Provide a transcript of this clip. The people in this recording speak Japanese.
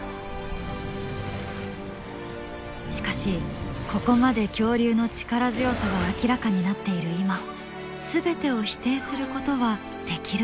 しかしここまで恐竜の力強さが明らかになっている今全てを否定することはできるのか？